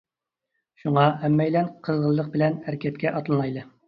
شۇڭا، ھەممەيلەن قىزغىنلىق بىلەن ھەرىكەتكە ئاتلىنايلى!